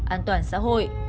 an toàn xã hội